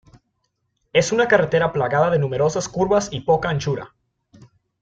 Es una carretera plagada de numerosas curvas y poca anchura.